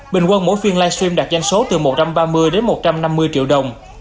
bình quân mỗi phiên live stream đạt doanh số từ một trăm ba mươi đến một trăm năm mươi triệu đồng